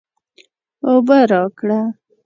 اوبه راکړه